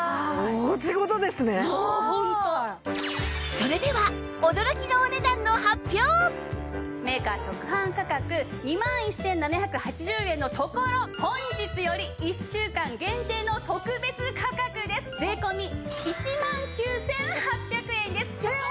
それではメーカー直販価格２万１７８０円のところ本日より１週間限定の特別価格です税込１万９８００円です！